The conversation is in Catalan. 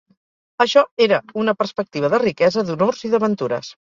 Això era una perspectiva de riquesa, d'honors i d'aventures